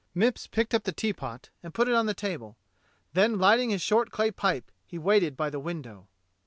Mipps picked up the teapot and put it on the table; then lighting his short clay pipe he waited by the window.